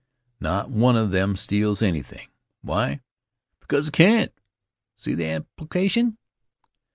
Not one of them steals anything. Why? Because they can't. See the application?